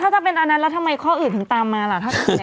ถ้าจะเป็นอันนั้นแล้วทำไมข้ออื่นถึงตามมาล่ะ